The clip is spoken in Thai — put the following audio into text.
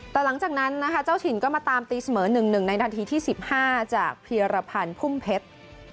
แต่หลังจากนั้นนะคะเจ้าถิ่นก็มาตามตีเสมอ๑๑ในนาทีที่๑๕จากเพียรพันธ์พุ่มเพชร